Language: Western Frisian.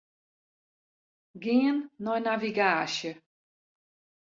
Gean nei navigaasje.